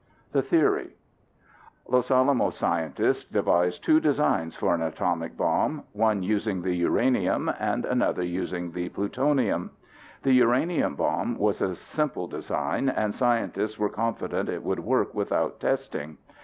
The Theory Los Alamos scientists devised two designs for an atomic bomb one using the uranium and another using the plutonium. The uranium bomb was a simple design and scientists were confident it would work without testing.